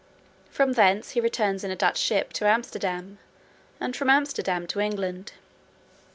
From thence he returns in a Dutch ship to Amsterdam, and from Amsterdam to England.